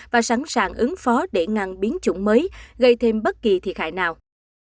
và sẵn sàng ứng phó để ngăn biến chủng mới gây thêm bất kỳ thiệt hại nào